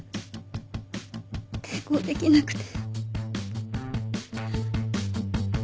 抵抗できなくて。